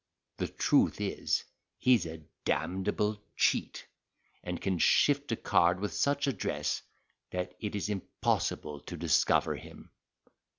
The truth is, he is a d—able cheat, and can shift a card with such address that it is impossible to discover him."